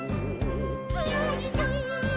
「つよいぞ」